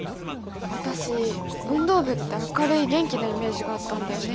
私運動部って明るい元気なイメージがあったんだよね。